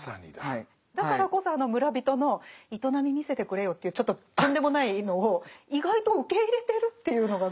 だからこそあの村人の「営み見せてくれよ」っていうちょっととんでもないのを意外と受け入れてるっていうのが。